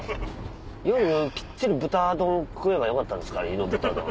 夜きっちり豚丼食えばよかったんですからイノブタ丼。